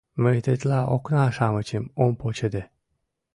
— Мый тетла окна-шамычым ом почеде.